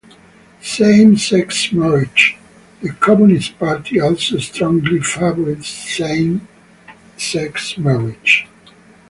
Same sex marriage: The Communist party also strongly favoured same-sex marriage.